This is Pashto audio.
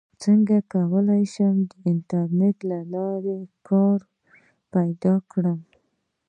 څنګه کولی شم د انټرنیټ له لارې کار پیدا کړم